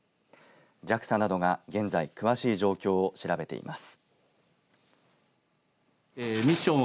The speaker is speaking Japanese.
ＪＡＸＡなどが現在詳しい状況を調べています。